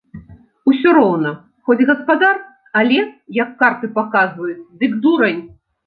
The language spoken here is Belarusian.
Усё роўна, хоць гаспадар, але, як карты паказваюць, дык дурань!